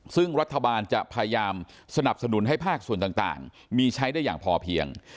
ซึ่งรัฐบาลจะพยายามสนับสนุนให้ภาคส่วนต่างมีใช้ได้อย่างพอเพียง